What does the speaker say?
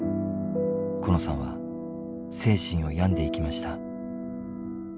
コノさんは精神を病んでいきました。